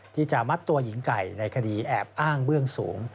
ที่จะมัดตัวหญิงไก่ในคดีแอบอ้างเบื้องสูง